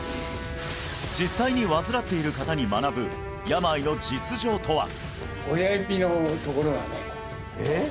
実際に患っている方に学ぶ病の実情とは？